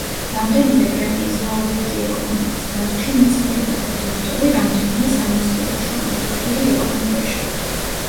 რამდენიმე პრემიის ლაურეატი ეკონომიკის დარგში, მეცნიერებათა დოქტორი, რამდენიმე სამეცნიერო შრომის ავტორი ეკონომიკაში.